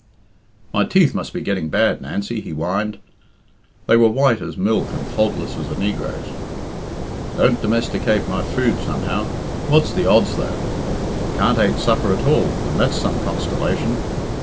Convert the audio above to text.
"My teeth must be getting bad, Nancy," he whined. They were white as milk and faultless as a negro's. "Don't domesticate my food somehow. What's the odds, though I Can't ate suppers at all, and that's some constilation.